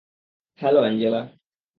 Hello, Angela!